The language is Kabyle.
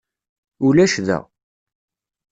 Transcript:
Ulac da.